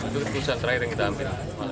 itu keputusan terakhir yang kita ambil